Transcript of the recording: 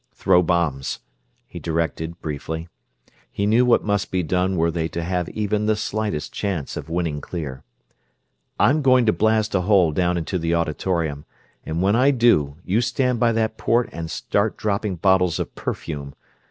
"Throw bombs," he directed, briefly. He knew what must be done were they to have even the slightest chance of winning clear. "I'm going to blast a hole down into the auditorium, and when I do you stand by that port and start dropping bottles of perfume.